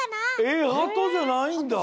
えっハトじゃないんだ。